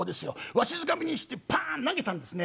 わしづかみにしてパン投げたんですね。